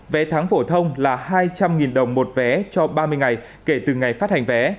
vé tháng phổ thông là hai trăm linh đồng một vé cho ba mươi ngày kể từ ngày phát hành vé